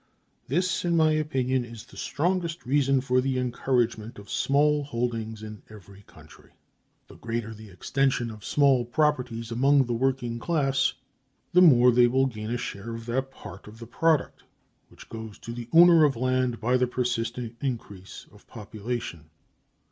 This, in my opinion, is the strongest reason for the encouragement of small holdings in every country. The greater the extension of small properties among the working class, the more will they gain a share of that part of the product which goes to the owner of land by the persistent increase of population.